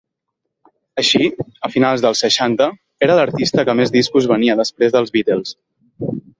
Així, a finals dels seixanta era l'artista que més discos venia després dels Beatles.